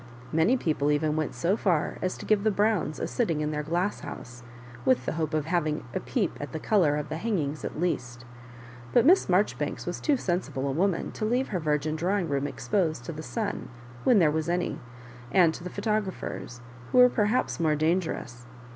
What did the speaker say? Many people even went so far as to give the Browns a sitting in their glass house, yith the hope of having «• peep at the colour of the hangings at least. But Miss Marjoribanks was too sensible a wo man to leave her virgin drawing room exposed to the sun when there was any, and to the photographers, who were perhaps more danger ous.